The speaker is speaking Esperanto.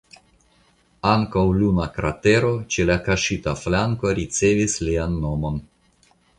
Ankaŭ luna kratero ĉe la kaŝita flanko ricevis lian nomon.